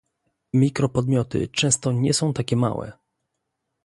Mikropodmioty często nie są takie małe